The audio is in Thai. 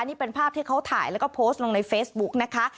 นี่เป็นภาพที่เขาถ่ายแล้วก็โพสต์ลงในเฟซบุ๊กนะคะ